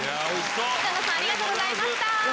北野さんありがとうございました。